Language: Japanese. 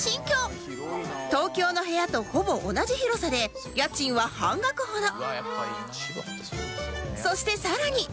東京の部屋とほぼ同じ広さで家賃は半額ほど